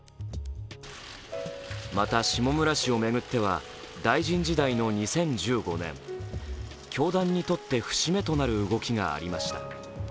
また下村氏を巡っては大臣時代の２０１５年、教団にとって節目となる動きがありました。